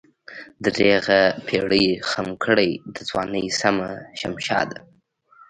درېغه پيرۍ خم کړې دَځوانۍ سمه شمشاده